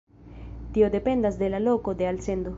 Tio dependas de la loko de alsendo.